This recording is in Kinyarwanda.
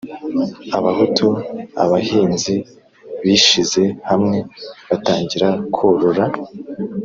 abahutu abahinzi bishize hamwe batangira ko rora